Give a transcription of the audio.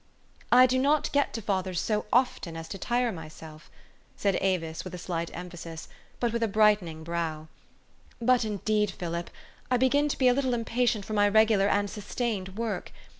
" I do not get to father's so often as to tire my self," said Avis with a slight emphasis, but with a brightening brow. '' But indeed, Philip, I begin to be a little impatient for my regular and sustained work.